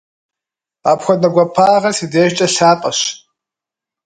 Апхуэдэ гуапагъэр си дежкӀэ лъапӀэщ.